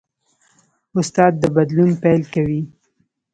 استاد د بدلون پیل کوي.